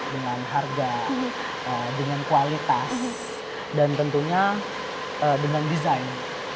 dengan harga dengan kualitas dan tentunya dengan desain